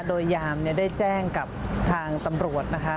โดยยามได้แจ้งกับทางตำรวจนะคะ